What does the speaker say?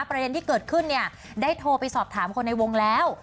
ประเด็นที่เกิดขึ้นเนี่ยได้โทรไปสอบถามคนในวงแล้ว